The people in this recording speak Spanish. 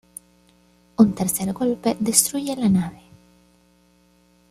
Un tercer golpe destruye la nave.